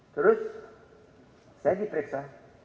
terus saya diperiksa